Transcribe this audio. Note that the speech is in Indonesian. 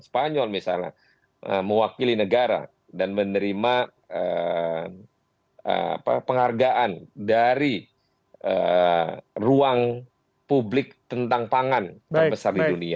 spanyol misalnya mewakili negara dan menerima penghargaan dari ruang publik tentang pangan terbesar di dunia